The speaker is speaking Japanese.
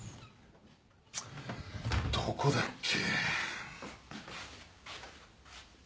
どこだっけ。